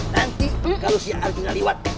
nanti kalau si arjuna lewat